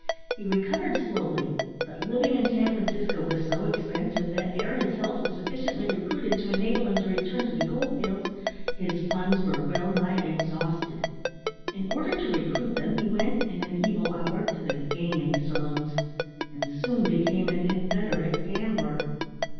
He recovered slowly; but living in San Francisco was so expensive that, ere his health was sufficiently recruited to enable him to return to the gold fields, his funds were well nigh exhausted. In order to recruit them he went, in an evil hour, to the gaming saloons, and soon became an inveterate gambler.